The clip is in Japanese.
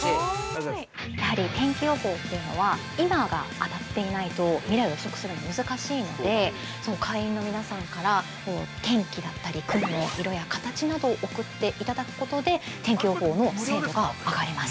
◆やはり天気予報というのは、今が当たっていないと、未来を予測するのは難しいので、会員の皆さんから天気だったり、雲の色や形などを送っていただくことで、天気予報の精度が上がります。